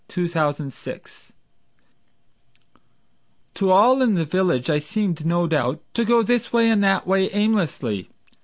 William Goode To all in the village I seemed, no doubt, To go this way and that way, aimlessly.